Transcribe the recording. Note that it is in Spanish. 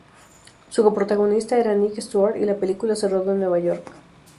Su coprotagonista era Nick Stuart, y la película se rodó en Nueva York.